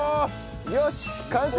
よし完成！